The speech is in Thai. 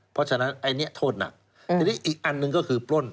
เพราะฉะนั้นอันนี้โทษหนักทีนี้อีกอันหนึ่งก็คือปล้น